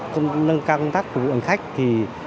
công tác của hành khách